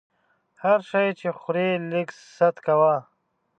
هر شی چې خورې لږ ست کوه!